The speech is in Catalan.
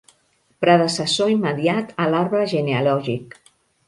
Predecessor immediat a l'arbre genealògic.